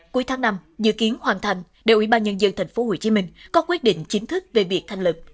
cuối tháng năm dự kiến hoàn thành đội ủy ban nhân dân tp hcm có quyết định chính thức về việc thành lập